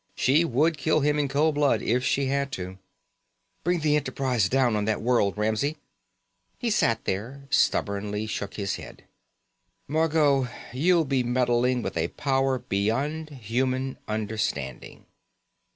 She would kill him in cold blood if she had to. "Bring the Enterprise down on that world, Ramsey." He sat there and stubbornly shook his head. "Margot, you'll be meddling with a power beyond human understanding."